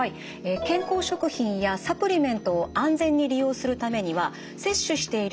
健康食品やサプリメントを安全に利用するためには摂取している